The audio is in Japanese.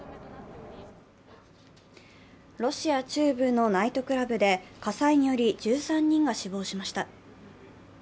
ロシア中部のナイトクラブで火災により１３人が死亡しました。